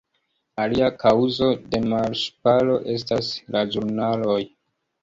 Alia kaŭzo de malŝparo estas la ĵurnaloj.